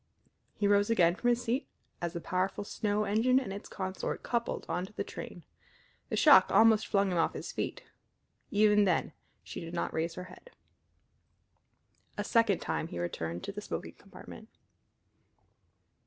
He rose again from his seat as the powerful snow engine and its consort coupled on to the train. The shock almost flung him off his feet. Even then she did not raise her head. A second time he returned to the smoking compartment.